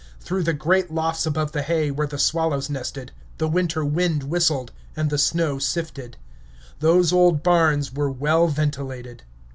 Through the great lofts above the hay, where the swallows nested, the winter wind whistled, and the snow sifted. Those old barns were well ventilated.